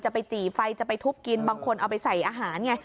ไปจี่ไฟจะไปทุบกินบางคนเอาไปใส่อาหารไง